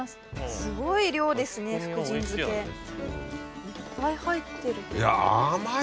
すごい量ですね福神漬いっぱい入ってる。